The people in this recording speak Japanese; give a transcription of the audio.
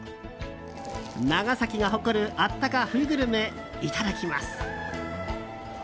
長崎が誇る、あったか冬グルメいただきます！